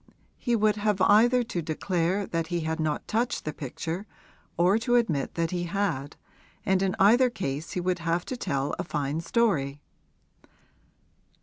He would have either to declare that he had not touched the picture or to admit that he had, and in either case he would have to tell a fine story.